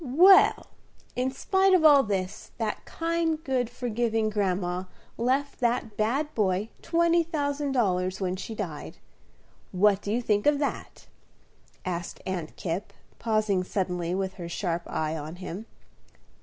"Well, in spite of all this, that kind, good, forgiving grandma left that bad boy twenty thousand dollars when she died. What do you think of that?" asked Aunt Kipp, pausing suddenly with her sharp eye on him.